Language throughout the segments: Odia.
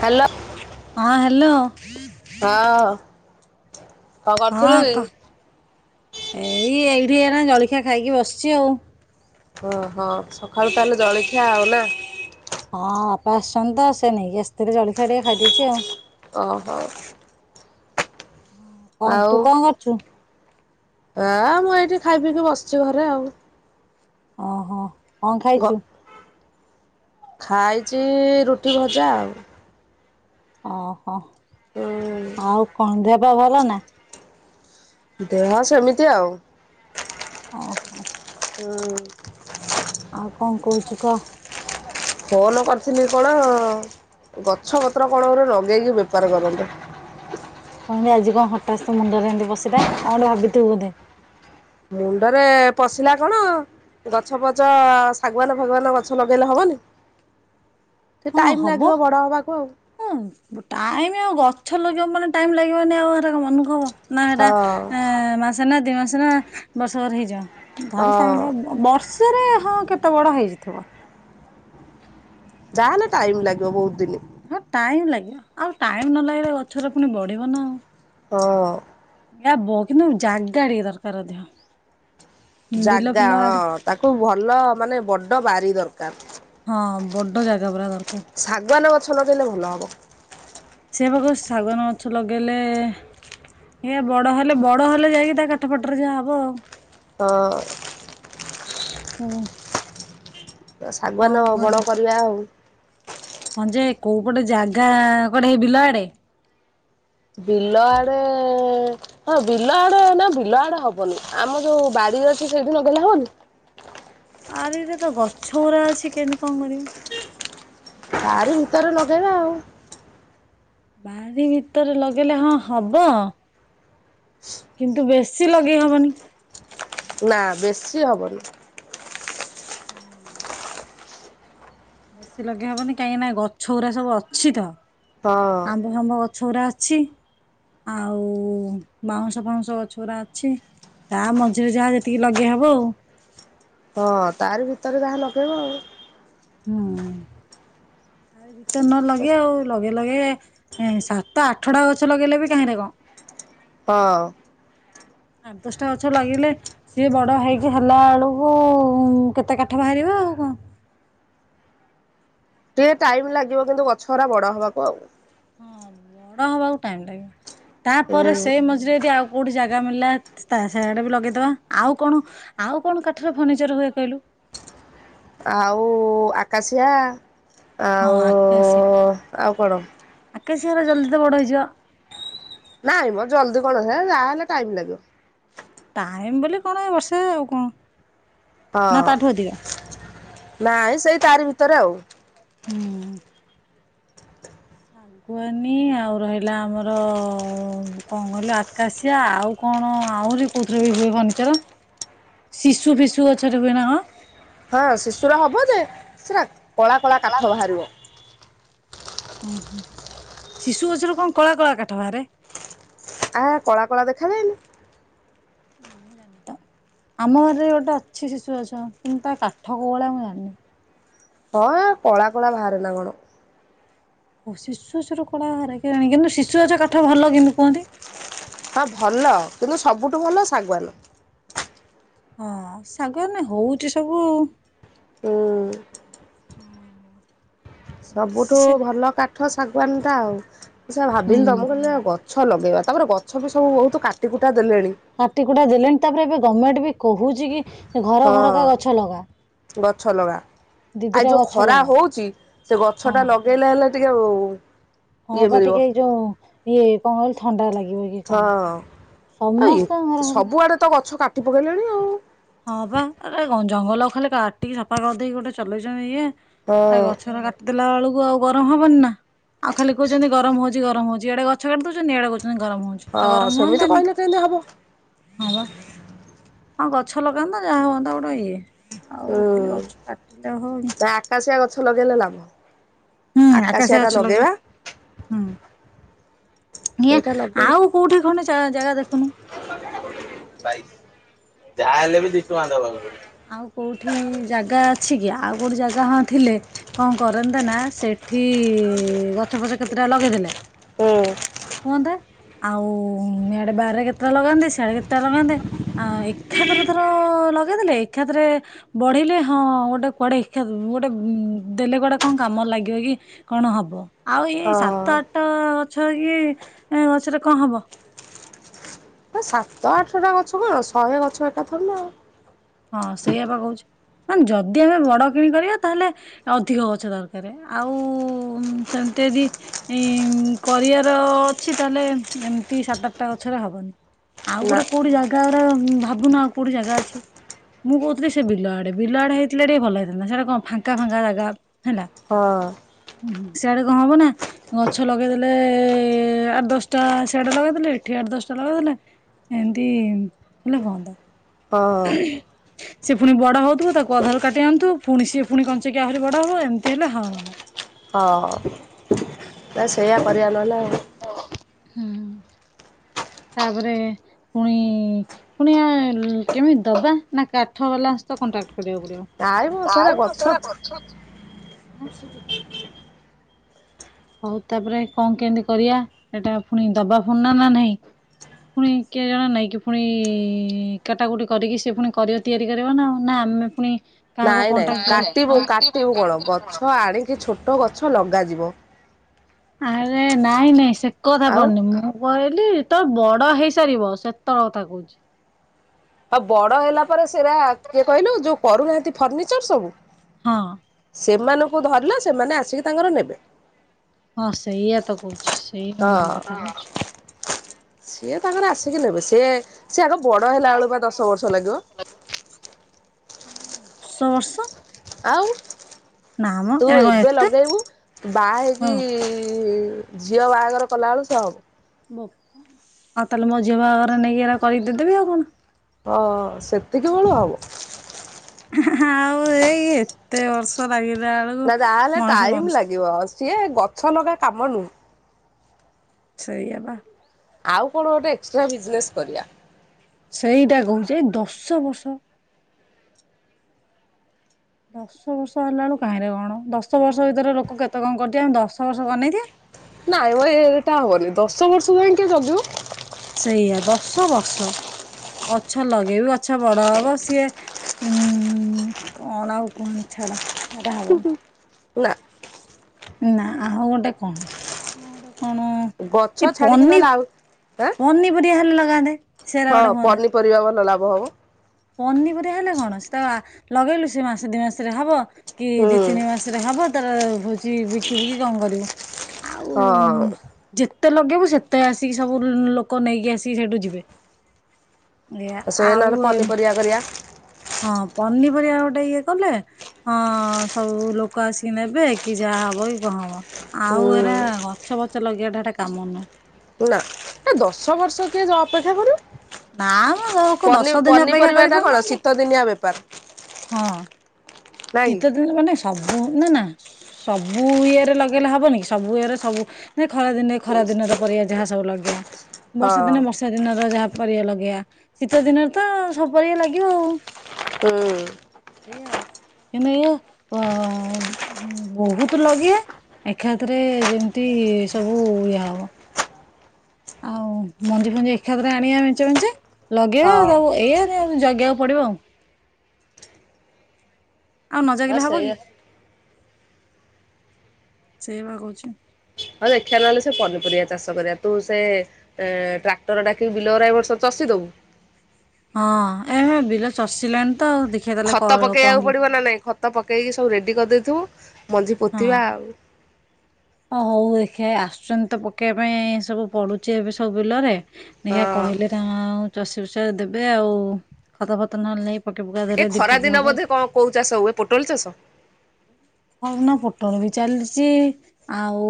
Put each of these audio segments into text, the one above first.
ହ୍ୟାଲୋ [inaudible] ହଁ ହ୍ୟାଲୋ। [inaudible] ହଁ [inaudible] ହଁ କି? କହ ଏଇ ଏଇଠି ନା ଜଳିଖିଆ ଖାଇକି ବସିଛି ଆଉ। ହଁ ହଁ ସକାଳୁ ତାହେଲେ ଜଳଖିଆ ଆଉ ନା। ହଁ ବାପା ଆସିଛନ୍ତି ତ ସେ ନେଇକି ଆସିଥିଲେ ଜଳଖିଆ ଟିକେ ଖାଇଦେଇଛି ଆଉ। ଓହୋ। ହ ଆଉ ତୁ କଣ କରୁଛୁ? ଆ ମୁଁ ଏଇଠି ଖାଇ ପିକି ବସିଛି ଘରେ ଆଉ। ଓହଁ କଣ୍ ଖାଇଚୁ? ଖାଇଚି ରୁଟି ଭଜା ଆଉ। [inaudible] ଓହୋ [inaudible] ହୁଁ ଆଉ କଣ ଦେ ବା ଭଲ ନା ଦେହ ସେମିତି ଆଉ। ଓ ହୋ। [inaudible] ହୁଁ [inaudible] ଆଉ କଣ କହୁଚି କ [inaudible] [inaudible] ଫୋନ କରିଥିଲି କଣ ଗଛ ପତ୍ର କଣ ଗୋଟେ ଲଗେଇକି ବେପାର କରନ୍ତୁ। [inaudible] [unintelligible] କଣ୍ ଆଜି କଣ ହଠାଥ୍ ତ ମୁଣ୍ଡରେ ଏମିତି ପଶିଲା କଣ୍ ଗୋଟେ ଭାବିଥିବୁ ବୋଧେ [inaudible] [inaudible] ମୁଣ୍ଡରେ ପଶିଲା କଣ ଏ ଗଛ ପଛ ଶାଗୁଆନ୍ ଫଗୁଆନ୍ ଗଛ ଲଗେଇଲେ ହବନି? ଟିକେ ହଁ ଟାଇମ ହବ ଲାଗିବ ବଡ ହବାକୁ ଆଉ [inaudible] ହଁ ଟାଇମ୍ ଆଉ ଗ [unintelligible] ଛ ଲଗେଇବ ମାନେ ଟାଇମ୍ ଲାଗିବନି ଆଉ ଏଟା କଣ ଆଉ ହବ। [inaudible] ନା ଏଇଟା ଏଁ [unintelligible] ମାସେନା ଦି ମାସ ନା [unintelligible] ବର୍ଷ ଘର ହେଇଯିବ। ହଁ ଭାରି ହଁ [unintelligible] ବର୍ଷରେ ହଁ କେ କେତେ ବଡ ହେଇଯିଇଥିବ। [inaudible] ଯାହାହେଲେ ଟାଇମ ଲାଗିବ ବହୁତ ଦିନି ହଁ ଟାଇମ୍ ଲାଗିବ ଆଉ ଟାଇମ୍ ନ ଲାଗିଲ ଗଛରେ ପୁଣି ବଢିବ ନା ଆଉ [inaudible] ହଁ [inaudible] ଏବୋ କିନ୍ତୁ ଜାଗା ଟିକେ ଦରକାର ଅଧିକ। ବିଲ ଜାଗା ଫିଲ ହଁ ଆଡେ। ତାକୁ ଭଲ ମାନେ ବଡ ବାରି ଦରକାର। ହଁ ବଡ ଜାଗା ପୁରା ଦରକାର। ଛଲ ଗେଲେ ଭଲ ହବ। [inaudible] ସେ ପାଖ ଶାଗନ ଗଛ ଲଗେଇଲେ [inaudible] ଏଇ ବଡ ହେଲେ ବଡ ହେଲେ ଯାଇକି ତା କାଠପାଠ ରେ ଯାହା ହବ ଆଉ। [inaudible] ହଁ। [inaudible] [inaudible] ହଁ। [inaudible] [unintelligible] ଶାଗୁଆାନ ବଣ କରିବା ଆଉ ହଁ ଯେ କୋଉ ପଟେ ଜାଗା କଡେ ହେଇ ବିଲ ଆଡେ। ବିଲ ଆଡେ ହଁ ବିଲ ଆଡେ ନା ବିଲ ଆଡେ ହବନି ଆମ ଯୋଉ ବାଡି ଅଛି ସେଇଠି ନଗଲେ ହଅନି। [inaudible] ଆରେ ଏଇଟା ତ ଗଛ ଗୁରା ଅଛି କେମିତି କଣ କରିବି। ଶାରୁ ଭିତର ଲଗେଇବା ଆଉ। ବହାରି ଭିତରେ ଲଗେଇଲେ ହଁ ହବ କିନ୍ତୁ ବେଶୀ ଲଗେଇ ହବନି। ନା ବେଶି ହବନି। ବେଶୀ ଲଗେଇ ହବନି କାହିଁକି ନା ଗଛଗୁରା ସବୁ ଅଛିତ। ହଁ। ଆମ୍ବ ଫାମ୍ବ ଗଛଗୁରା। ଛି ଆଉ ବାଉଁଶ ଫାଉଁଶ ଗଛଗୁରା ଅଛି ତା ମଝିରେ ଯାହା ଯେତିକି ଲଗେଇହବ ଆଉ। ହଁ ତାରି ଭିତରେ ଯାହା ଲଗେଇବ ଆଉ। ହୁଁ ତା ଭି। ତେ ନ ଲଗେ ଆଉ ଲଗେ ଲଗେ। ସାତଆଠଟା ଗଛ ଲଗେଇଲେ ବି କାହିଁରେ କଣ। ହଁ। ଆଠ ଦଶଟା ଗଛ ଲାଗିଲେ ସିଏ ବଡ ହେଇକି ହେଲା ବେଳକୁ କେତେ କାଠ ବାହାରିବା ଆଉ କଣ। ଟିକେ ଟାଇମ ଲାଗିବ କିନ୍ତୁ ଗଛରା ବଡ ହବାକୁ ଆଉ। ହଁ ବଡ ହବାକୁ ଟାଇମ ଲାଗିବ। ତାପରେ ହୁଁ ସେଇ ମଝିରେ ଯଦି ଆଉ। କୋଉଠି ଜାଗା ମଳିଲା ତା ସେଆଡେ ବି ଲଗେଇଦବା ଆଉ କଣ ଆଉ କଣ କାଠରେ ଫର୍ଣିିଚର ହୁଏ କହିଲୁ। ଆଉ ଆକାଶିଆ। ହଁ ଆଉ ଆଉ କଣ। କେଶିଆ ଗୁରା ଜଲ୍ଦି ତ ବଡ଼ ହେଇଯିବ। ନାଇଁ ମ ଜଲଦି କଣ ଯାହାହଲେ ଟାଇମ ଲାଗିବ। ଟାଇମ ବୋଲି କଣ ବର୍ଷେ ଆଉ କଣ? ନା ହଁ ତାଠୁ ଅଧିକ ନାଇଁ ସେଇ ତାରି ଭିତ ତରେ ଆଉ। ହୁଁ। ଶାଗୁଆାନୀ ଆଉ ରହିଲା ଆମର କଣ କହିଲୁ ଆକାଶିଆ ଆଉ କଣ ଆହୁରି କୋଉଥିରେ ବି ହୁଏ ଫନିଚର ଶିଶୁ ଫିଶୁ ଗଛରେ ହୁଏ ନା କଣ। ହଁ ଶିଶୁରା ହବ ଯେ ସେରା । କଳା କଳା କାଠ ବାହହାରିବ। ଉ ହୁଁ ଶିଶୁ ଗଛରୁ କଣ କଳା କଳା କାଠ ବାହାରେ। ଆ କଳା କଳା ଦେଖାାଯାଏନି। ମୁଁ ଜାଣିନି ତ ଆମ ଘରେ ଗୋଟେ ଅଛି ଶିଶୁ ଗଛ କିନ୍ତୁ ତା କାଠ କୋଉ ଭଳିଆ ମୁଁ ଜାଣିନି। ହଁ କଳା କଳା ବାହରେ ନା କଣ। ଶିଶୁ ଗଛରୁ କଳା ବାହାରେ କେଜାଣି କିନ୍ତୁ ଶିଶୁଛ କାଠ ଭଲ କିନ୍ତୁ କୁହନ୍ତି। ହଁ ଭଲ କିନ୍ତୁ ସବୁଠୁ ଭଲ ଶାଗୁଆନ। ହଁ ଶାଗୁଆନ ରେ ହୋଉଛି ସବୁ ଆଉ। ହୁଁ ହୁଁ। ସବୁଠୁ ଭଲ କାଟ। ଠ ଶାଗୁଆନ ଟା ଆଉ। ସେୟା ହୁଁ ଭାବିଲି ତ ମୁ କହିଲି ଦେଖିଆ ଗ ଗଛ ଲଗେଇବା ତାପରେ ଗଛ ବି ସବୁ ବହୁତ କାଟିକୁୁଟା। କାଟିକୁଟା ଦେଲେଣି ତାପରେ ବି। ଗଭର୍ଣ୍ଣମେଣ୍ଟ ବି କହୁଛି କି। ଘର ହଁ ଘରକା ଗଛ ଲଗା ଗଛ ଲଗା ଦି ଆ ଦିଟା ଯୋଉ ଗଛ ଖରା ଲଗା ହଉଛି ସେ ଗଛ ଟା ହଁ। ଲଗେଇଲେ ହେଲେ ଟିକେ ଟିକିଏ [inaudible] ହଁ ବା ଟିକେ ଏଇ ଯୋଉ ଇଏ କଣ କହଲେ ଥଣ୍ଡା ଲାଗେ। କ କଣ। ଆ ସମସ୍ତଙ୍କ ଘର ଘର ସବୁଆଡେ ତ ଗଛ। କାଟି ପକେଇଲେଣି ଆଉ। ହଁ ବା ଜଙ୍ଗଲ ଖାଲି କାଟିକି ସଫା କରିଦେଇକି ଗୋଟେ ଚଲେଇଛନ୍ତି ଇଏ ହଁ ଗଛର କାଟିଦେଲା ବେଳକୁ ଆଉ ଗରମ ହବନି ନା ଆଉ ଖାଲି କହୁଛନ୍ତି ଗରମ ହଉଛି ଗରମ ହଉଛି ଆଡେ ଗଛ କାଟିି ଦଉଛନ୍ତିଇଆଡେ ଗଛ ଗରମ ହଉଛି ଆଉ ହଁ ଗରମ ସେମିତି ହୁଅନ୍ନ୍ତାନି କହିଲେ କେମିତି ହବ ହଁ ବା ହଁ କ ଅଛ ଲଗାତା ଯାହା ହନ୍ତା ଗୋଟେ ଇଏ। ହୁଁ ଆଉ ଖାଲି ଗଛ କାଟିଲେ ବେଳ ହଉନ ଗେ ଲ ଲାଭ। ହୁଁ ଆକାଶିଆ ଆକାଶେ ଟା ଅଛ ଲ ଲଗେଇବା ହୁଁ। ସେଇଟା ଲଗେଇଲେ ଆଉ କୋଉଠି ଖଣେ ଜାଗା ଦେଖ। ଭାଇ ଯାହା ହେଲେ ବି ଦିଶ ବାଧବା ଆଉ କୋଉଠି ଜାଗା ଅଛି କି ଆଉ ଗୋଟେ ଜାଗା ହଁ ଥିଲେ କଣ କରନ୍ତାେ ନା ସେଠି ଗଛ ପଛ କେତେଟା ଲଗେଇଲେ। ହୁଁ। ହୁହନ୍ତା ଆଉଆଡେ ବାରାରେ କେତେଟା ଲଗାନ୍ତେ ସିଆଡେ କେତେଟା ଲଗାନ୍ତେ ଆ ଏକାଥରଥର ଲଗାଦେଲେ। ଶିକ୍ଷତରେ ବଢିଲେ ହଁ ଗୋଟେ କୁଆଡେ ଗୋଟେ ଦେଲେ ଗୁଡେ କଣ କାମ ଲାଗିବ କି କଣ ହବ। ଆଉ ଏଇ ସାତ ଆଠ ଗଛ କି ଏ ଗଛରେ କଣ ହବ। ସାତଶହ ଆଠଶ ଟା ଗଛ କଣ ଶହେ ଗଛ ଏଟା ଧର ନା ଆଉ। ହଁ ସେଇଆ ବା କହୁଛି ମାନେ ଯଦି ଆମେ ବଡ କିଣ କରିବା ତାହେଲେ ଅଧିକ ଗଛ ଦରକାର ଆଉ ସେମିତି ଯଦି କରିବାର ଅଛି ତାହେଲେ ଏମିତି ସାତ ଆଠଟା ଗଛରେ ହବନି। ଆଉ ନା ଗୋଟେ କୋଉଠି ଜାଗା। ଟା ଭାବୁନ ଆଉ କୋଉଠି ଜାଗା ଅଛି? ମୁଁ କହୁଥିଲି ସେ ବିଲଆଡେ ବିଲଆଡେ ହେଇଥିଲେ ଟିକ ଭଲ ହେଇଥାନ୍ତା ସେଟା କଣ ଫାଙ୍କା ଫାଙ୍କା ଜାଗା ହେଲା ହଁ [inaudible] ହ। ସିଆଡେ କଣ ହବ ନା ଗଛ ଲଗେଇଦେଲେ ଆଠ ଦଶଟା ସିଆଡେ ଲଗେଇଦେଲେ ଏଠି ଆଠ ଦଶଟା ଲଗେଇଦେଲେ ଏମିତି ହେଲେ ହୁଅନ୍ତା। ହଁ। ସେ ପୁଣି ବଡ ହଉଥିବ ତାକୁ ଅଧାର କାଟି ଆଣୁଥିବୁ ପୁଣି ସିଏ ପୁଣି କଞ୍ଚକ ଆହୁରି ବଡ ହବ ଏମିତି ହେଲେ ହବ ହଁ ନା ସେୟା କରିବା ନହେଲେ ଆଉ ହଁ ତାପରେ ପୁଣି ପୁଣି ଆ କେମିତି ଦବା ନା କାଠ ବାଲାସହ କଣ୍ଟାକ୍ଟ କରିବାକୁ ନାଇଁ ମ ସେରା ଗଛ ପଡିବ। [unintelligible] [unintelligible] ହଉ ତାପରେ କଣ କେମିତି କରିବା ଏଟା ପୁଣି ଦବା ପୁଣି ନା ନା ନାଇଁ ପୁଣି କିଏ ଜଣେ ନାଇଁକି ପୁଣି କାଟା କୁଟି କରିକି ସେ ପୁଣି କରି ତିଆରି କରିବ ନା ଆଉ ନା ଆମେ ପୁଣି କାହାକୁ ନାଇଁ ନାଇଁ କଣ୍ଟାକ୍ଟ କାଟିବୁ କାଟିବୁ କଣ କରି ଗଛ ଆଉ ଆଣିକି ଛୋଟ ଗଛ ଲଗାଯିବ। ଆରେ ନାଇଁ ନାଇଁ ସେ କଥା ଆଉ ପଡ଼ିନି ମୁଁ କହିଲି ତ ବଡ ହେଇସାରିବ ସେତେବେଳ କଥା କହୁଛି। ଆଉ ବଡ ହେଲା ପରେ ସେଇରା କିଏ କହିଲୁ ଯୋଉ କରୁନାହାନ୍ତି ଫର୍ଣ୍ନିଚର୍ ସବୁ ହଁ। ସେମାନଙ୍କୁ ଧରିଲା ସେମାନେ ଆସିକି ତାଙ୍କର ନେବେ। ହଁ ସେଇଆ ତ କ ହଁ ସେଇମାନଙ୍କ କଥା କହୁଛି। ସିଏ ତାଙ୍କରେ ଆସିକି ନେବେ ସିଏ ସେ ଆଗ ବଡ ହେଲା ବେଳକୁ ବା ଦଶ ବର୍ଷ ଲାଗିବ। [inaudible] ଶ ବର୍ଷ ଆଉ। ନା ମ ତୁ ଏରା କଣ ଏବେ ଏତେ ଲଗେଇବୁ ବାହା ହଁ ହେଇକି ଝିଅ ବାହାଘର କଲା ବେଳୁ ସେ ହବ। ଆଉ ତାହେଲେ ମୋ ଝିଅ ବାହାଘରରେ ନେଇକି ଏରା କରିକି ଦେଇଦେବି ଆଉ କଣ ହଁ ସେତିକି ବେଳୁ ହବ। ଆଉ ଏଇ ଏତେ ବର୍ଷ ଲାଗି ନା ଯାହେଲେ ଟାଇମ ଲାଗିବ ସିଏ ଗ ଛଲଗା କାମ ନୁ ସେଇଆବା। ଆଉ କଣ ଗୋଟେ ଏକ୍ସଟ୍ରା ବିଜନେସ୍ କରିବା। ସେଇଟା କହୁଛେ ଦଶ ବର୍ଷ। [inaudible] ଦଶ ବର୍ଷ ହେଲା ବେଳକୁ କାହିଁଲେ କଣ ଦଶ ବର୍ଷ ଭିତରେ ଲୋକ କେତେ କଣ କରିଥିବେ ଦଶ ବର୍ଷକୁ ଅନେଇଥିବା। ନାଇଁ ମ ଏଇଟା ହବନି ଦଶ ବର୍ଷ ଯାଏ କିଏ ଜଗିବ। ସେଇଆ ଦଶ ବର୍ଷ ଗଛ ଲଗେଇବି ଗଛ ବଡ ହବ ସିଏ ଉ କଣ ଆଉ କୁହନ୍ତି ଛାଡ ଛାଡ ହବନି। ନା। ନା ଆଉ ଗୋଟେ କଣ ଆ ଗୋଟେ। କଣ ଗଛ ଏଇ ଛାଡିକି ପନି ନହେଲେ ଆଉ ଆଁ ପନିପରିବା ହେଲେ ଲଗାନ୍ତେ ସେଟା ଗୋଟେ ହୁଅନ୍ତା। ହବ ହବ ପନିପରିବା ହେଲା କଣ ସେଟା ଲଗେଇଲୁ ସେ ମାସ ଦି ମାସରେ ହବ। କି ହୁଁ ଦି ତିନି ମାସରେ ହବ। ତାର ହଉଛି ବିକିବୁ କି କଣ କରିବୁ। ଆଉ ହଁ ଯେ। ଯେତେ ଲଗେଇବୁ ସେତେ ଆସିକି ସବୁ ଲୋକ ନେଇକି ଆସିକି ସେଇଠୁ ଯିବେ। ଏଇଆ ଆ ସେ ନହେନେ ଆଉ ପନିପରିବା କରିବା। ହଁ ପନିପରିବା ଗୋଟେ ଇଏ କଲେ ହଁ ସବୁ ଲୋକ ଆସିକି ନେବେ କି ଯାହା ହବ କି କଣ ହବ। ଆଉ ଏରା ହୁଁ ଗ ଗଛ ପଛ ଲଗେଇବାଟା ଏଟା କାମ ନା। ନା ଏ ଦଶ ବର୍ଷ କିଏ ଯେ ଅପେକ୍ଷା ନା ମ କରିବ। ଲୋକ ଦଶ ପନି ଦିନ ଅପେକ୍ଷା ପନିପରିବା ଟା କଣ କରିପାରୁନାହାନ୍ତି। ଶୀତ ଦିନିଆ ବେପାର। ହଁ। ନାଇଁ କି ଶୀତଦିନେ ମାନେ ସବୁ ସବୁ ନା ନା ସବୁ ଇଏରେ ଲଗେଇଲେ ହବନି ସବୁ ଇଏରେ ସବୁ ନା ଖରା ଦିନେ ଖରା ଦିନର ପରିବା ଯାହା ସବୁ ଲଗେଇବା। ବର୍ଷା ହଁ ଦିନ ବର୍ଷା ଦିନ ର ଯାହା ପରିଆ ଲଗେଇବା ଶୀତ ଦିନରେ ତ ସବୁ ପରିଆ ଲାଗିବ ଆଉ। ହୁଁ। ସେଆଉ। କିନ୍ତୁ ଇଏ ଅ-ଅ-ଅ ବହୁତ ଲଗେଇଆ ଏକାଥରେ ଯେମିତି-ତି-ତି ସବୁ-ବୁ-ବୁ ଇଏ ହବ ଆଉ ମଞ୍ଜି ଫଞ୍ଜି ଏକାଥରେ ଆଣିବା ମେଞ୍ଚେ ମେଞ୍ଚେ। ଲଗେଇବା ହଁ ତାକୁ ଏଇଆ। ଜଗିବାକୁ ପଡିବ ଆଉ। ଆଉ ନ ହଁ ଜଗିଲେ ହବ କି। ସେଇଆ ସେଇ ବା କହୁଛି। ହଁ ଦେଖିବା ନହେଲେ ସେ ପନିପରିବା ଚାଷ କରିବା ତୁ ସେ ଏ ଟ୍ରାକ୍ଟର ଡାକି ବିଲ ଗୁରା ଏ ବର୍ଷ ଚଷି ଦବୁ। ହଁ ଏବେ ବିଲ ଚଷିଲାଣି ତ ଆଉ ଦେ ଖତ ପକେଇବାକୁ ପଡିବ ନା ନାଇଁ ଖତ ପକେଇକି ସବୁ ରେଡି କରିଦେଇଥିବୁ। ମଞ୍ଜି ପୋତିବା ଆଉ। ହଁ ହଉ ଦେଖିବା ଆସୁଛନ୍ତି ତ ପକେଇବା ପାଇଁ-ଇଁ-ଇଁ ସବୁ ପଡ଼ୁଛି ଏବେ ସବୁ ବିଲରେ ଦେଖିବା ହଁ କହିଲେ ନା-ନା-ନା ଆଉ ଚଷି ଫଷା ଦେବେ ଆଉ ଖତ ଫତ ନହେଲେ। ପକେଇ ପକା ଏ ଦେଲେ ଦି ଖରା ଟ୍ରିପ୍ ଦିନ ହବ। ବୋଧେ କଣ କୋଉ ଚାଷ ହୁଏ ପୋଟଲ ଚାଷ। ହଉନା ପୋଟଳ ବି ଚାଲିଛି ଆଉ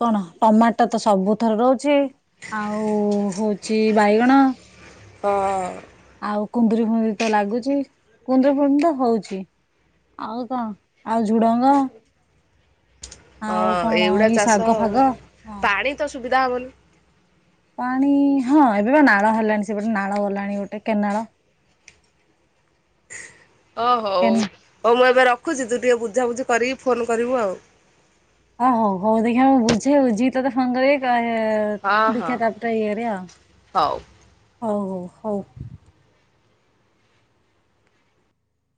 କଣ ଟମାଟୋ ତ ସବୁଥର ରହୁଛି ଆଉ ହଉଛି ବାଇଗଣ। ହଁ। ଆଉ କୁନ୍ଦୁୁର ଫୁନ୍ଦୁରି ତ ଲାଗୁଛି କୁନ୍ଦୁରି ଫୁନ୍ଦୁରି ତ ହଉଛି ଆଉ କଣ ଆଉ ଝୁଡଙ୍ଗ। ଆଉ ହଁ କଣ ଏଇଗୁଡା ଏଇ ଚାଷ ଶାଗ ଆଉ ଫାଗ ହଁ ପାଣି ତ ସୁବିଧା ହବନି। [unintelligible] ପାଣି ହଁ ଏବେ ବା ନାଳ ହେଲାଣି ସେପଟେ ନାଳ ଗଲାଣି ଗୋଟେ କେନାଳ। ଓହୋ ହଉ କେନା ହଉ ମୁଁ ଏବେ ରଖୁ ରଖୁଛି ତୁ ଟିକେ ବୁଝାବୁଝି କରିକି ଫୋନ୍ କରିବୁ ଆଉ। ହଁ ହୋଉ ହଉ ଦେଖିବା ମୁଁ ବୁଝେ ବୁଝିକି ତତେ ଫୋନ କରିକି କହି ଆ ହଁ ହଁ ଦେଖିବା ଟ୍ରାକ୍ଟର ଇଏ ରେ ଆଉ। ହଉ। ହଉ ହଉ ହଉ।